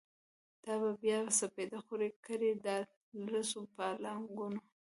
دا به بیا سپیدی خوری کړی، داطلسو پالنګونو